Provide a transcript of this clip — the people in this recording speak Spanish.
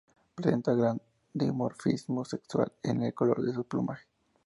Presenta gran dimorfismo sexual en el color de su plumaje.